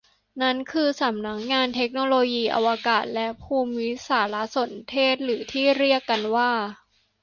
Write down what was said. นั้นคือสำนักงานเทคโนโลยีอวกาศและภูมิสารสนเทศหรือที่เรียกกันว่า